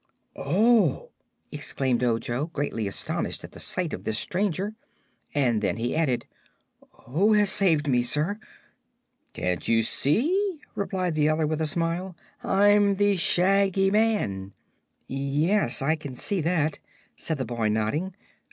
"Oh!" exclaimed Ojo, greatly astonished at the sight of this stranger; and then he added: "Who has saved me, sir?" "Can't you see?" replied the other, with a smile; "I'm the Shaggy Man." "Yes; I can see that," said the boy, nodding.